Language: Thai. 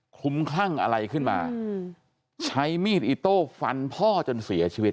คลุมคลั่งอะไรขึ้นมาใช้มีดอิโต้ฟันพ่อจนเสียชีวิต